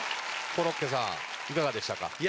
コロッケさんいかがでしたか？